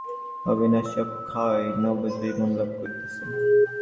আর তাহার মহামহিমময় জীবনের প্রতি সন্ধিক্ষণেএই জাতি যেন অবিনাশী অক্ষয় নবযৌবন লাভ করিতেছে।